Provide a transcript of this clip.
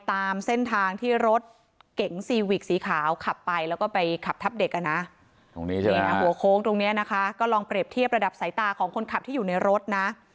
เห็นหัวโค้งตรงนี้นะคะก็ลองเปรียบเทียบระดับสายตาของคนขับที่อยู่ในรถนะ